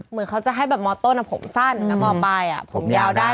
เหมือนเขาจะให้แบบมต้นผมสั้นมปลายผมยาวได้